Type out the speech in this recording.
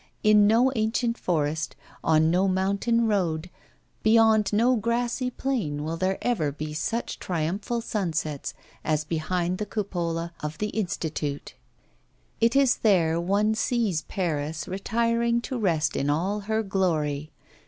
In no ancient forest, on no mountain road, beyond no grassy plain will there ever be such triumphal sunsets as behind the cupola of the Institute. It is there one sees Paris retiring to rest in all her glory.